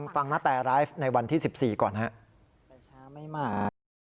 ฟังหน้าแต่ไลฟ์ในวันที่๑๔ก่อนครับ